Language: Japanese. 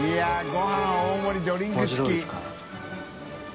ごはん大盛ドリンク付き。